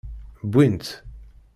Wwin-t.